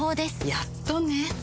やっとね